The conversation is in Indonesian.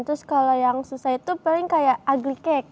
terus kalau yang susah itu paling kayak aglike